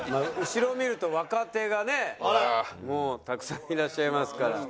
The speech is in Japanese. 後ろ見ると若手がねもうたくさんいらっしゃいますから。